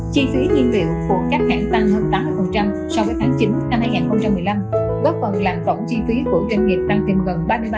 chi phí nhiên liệu của các hãng tăng hơn tám mươi so với tháng chín năm hai nghìn một mươi năm góp phần làm tổng chi phí của doanh nghiệp tăng thêm gần ba mươi ba